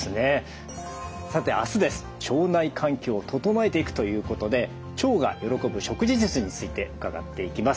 さてあすです腸内環境を整えていくということで腸が喜ぶ食事術について伺っていきます。